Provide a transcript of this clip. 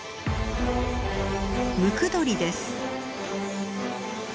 ムクドリです。